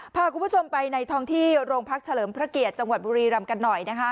พาคุณผู้ชมไปในท้องที่โรงพักเฉลิมพระเกียรติจังหวัดบุรีรำกันหน่อยนะคะ